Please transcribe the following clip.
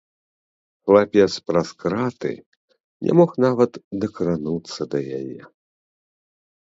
Хлапец праз краты не мог нават дакрануцца да яе.